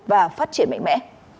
và phát triển mạnh mẽ